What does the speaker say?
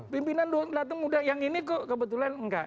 pimpinan melihatnya mudah yang ini kok kebetulan nggak